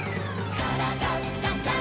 「からだダンダンダン」